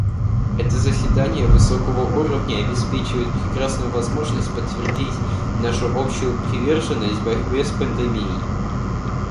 Это заседание высокого уровня обеспечивает прекрасную возможность подтвердить нашу общую приверженность борьбе с пандемией.